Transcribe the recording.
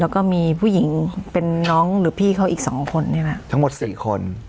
แล้วก็มีผู้หญิงเป็นน้องหรือพี่เขาอีกสองคนนี่แหละทั้งหมดสี่คน